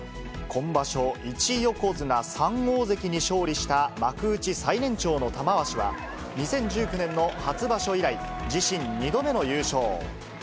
今場所、１横綱、３大関に勝利した、幕内最年長の玉鷲は、２０１９年の初場所以来、自身２度目の優勝。